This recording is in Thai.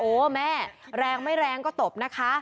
แม่แรงไม่แรงก็ตบนะคะ